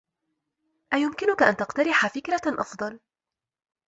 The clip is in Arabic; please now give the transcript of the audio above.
أيمكنك أن تقترح فكرة أفضل؟